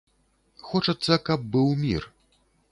Хочацца, каб быў мір.